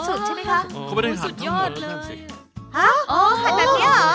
คุณหันแบบนี้เหรอ